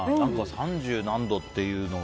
三十何度というのが。